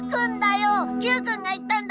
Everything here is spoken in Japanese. Ｑくんが言ったんだよ！